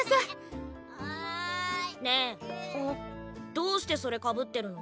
どうしてそれ被ってるの？